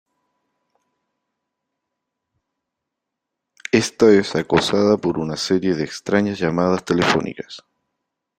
Esta es acosada por una serie de extrañas llamadas telefónicas.